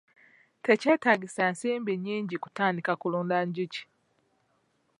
Tekyetagisa nsimbi nnyingi kutandika kulunda njuki.